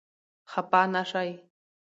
خفه نه شئ !